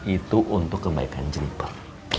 itu untuk kebaikan ciliper